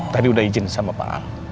tadi udah izin sama pak ahok